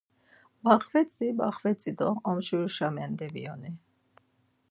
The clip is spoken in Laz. Baxvetzi, baxvetzi do omçfiruşa mendebiyoni.